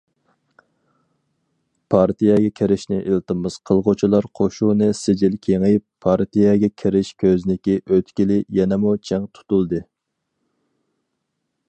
پارتىيەگە كىرىشنى ئىلتىماس قىلغۇچىلار قوشۇنى سىجىل كېڭىيىپ، پارتىيەگە كىرىش كۆزنىكى ئۆتكىلى يەنىمۇ چىڭ تۇتۇلدى.